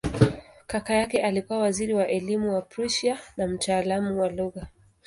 Kaka yake alikuwa waziri wa elimu wa Prussia na mtaalamu wa lugha.